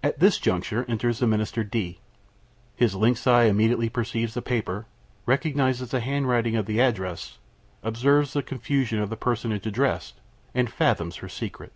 At this juncture enters the Minister D . His lynx eye immediately perceives the paper, recognizes the handwriting of the address, observes the confusion of the personage addressed, and fathoms her secret.